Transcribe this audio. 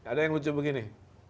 ada yang lucu begini